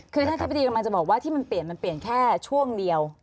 คือท่านอธิบดีกำลังจะบอกว่าที่มันเปลี่ยนมันเปลี่ยนแค่ช่วงเดียว